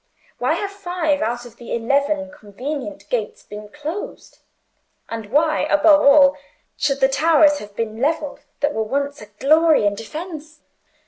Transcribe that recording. Why have five out of the eleven convenient gates been closed? And why, above all, should the towers have been levelled that were once a glory and defence?